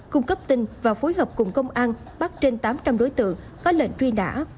cung cấp tin và phối hợp cùng công an bắt trên tám trăm linh đối tượng có lệnh truy nã